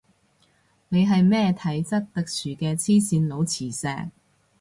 你係咩體質特殊嘅黐線佬磁石